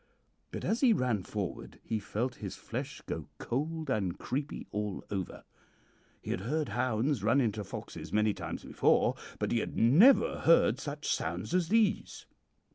"But as he ran forward he felt his flesh go cold and creepy all over. He had heard hounds run into foxes many times before, but he had never heard such sounds as these.